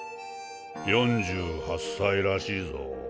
４８歳らしいぞ。